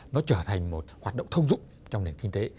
nó trở thành một hoạt động thông dụng trong nền kinh tế